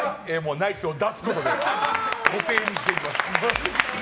ナイスを出すことで固定にしておきます。